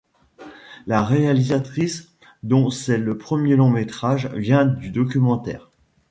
La réalisatrice, dont c'est le premier long métrage, vient du documentaire.